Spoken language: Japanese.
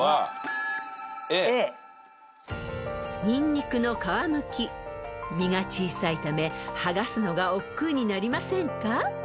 ［ニンニクの皮むきみが小さいため剥がすのがおっくうになりませんか？］